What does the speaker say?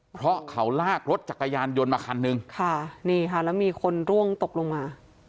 เพราะเขาลากรถจักรยานยนต์มาคันนึงค่ะนี่ค่ะแล้วมีคนร่วงตกลงมา